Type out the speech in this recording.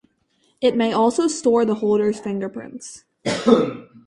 It may also store the holder's fingerprints.